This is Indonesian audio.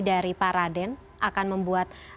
dari pak raden akan membuat